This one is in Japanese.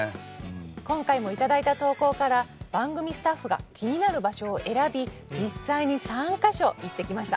今回も頂いた投稿から番組スタッフが気になる場所を選び実際に３か所行ってきました。